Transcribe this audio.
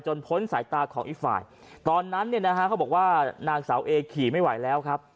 พ้นสายตาของอีกฝ่ายตอนนั้นเนี่ยนะฮะเขาบอกว่านางสาวเอขี่ไม่ไหวแล้วครับ